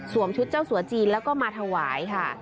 ชุดเจ้าสัวจีนแล้วก็มาถวายค่ะ